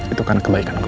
itu karena kebaikan lu